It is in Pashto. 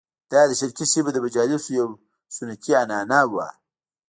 دا د شرقي سیمو د مجالسو یوه سنتي عنعنه وه.